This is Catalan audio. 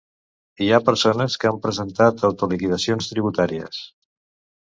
Hi ha persones que han presentat autoliquidacions tributàries.